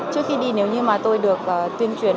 trước khi đi nếu như tôi được tuyên truyền